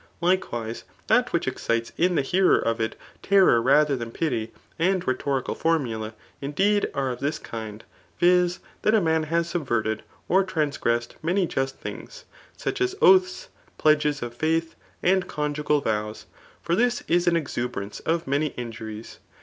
Likewise that which ex cites in the hearers of it, terror rather than pity. And rhetorical formulae, indeed, are of this kind, viz. that a man has subverted or transgressed many just things, such as oaths, pledges of faith, and conjugal vows ; for this is an exub^ance of many injuries.